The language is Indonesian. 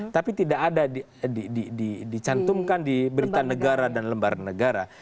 tapi tidak ada dicantumkan di berita negara dan lembaran negara